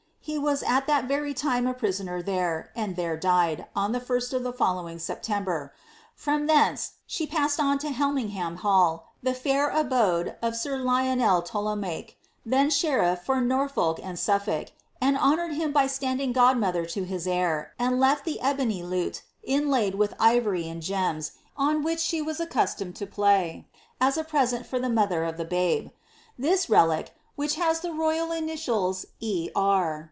He was at that very time a prisoner there, and tiicre died, on the first of u;e killowing September. From thence she passed on to lleluiingham ILiil. the fair abode of sir Lionel Tollemache, then sheritf for Norfolk ud Sutlidk, and honoured him by standing godmother to his heir, and icit the ebony lute, inlaid with ivory and gems, on which she was ac C'j:^iumcd to play, as a present for the mother of the bube. Tliis relic, «bich has the royal initials *^£. R."